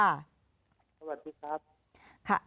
สวัสดีครับ